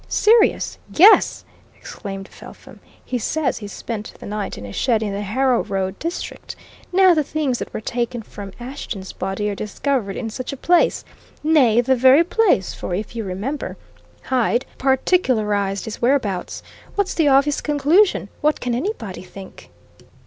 "Serious? Yes!" exclaimed Felpham. "He says he spent the night in a shed in the Harrow Road district. Now the things that were taken from Ashton's body are discovered in such a place nay, the very place; for if you remember, Hyde particularized his whereabouts. What's the obvious conclusion? What can anybody think?"